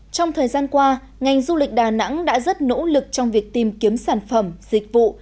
trong thời gian qua ngành du lịch đà nẵng đã rất nỗ lực trong việc tìm kiếm sản phẩm dịch vụ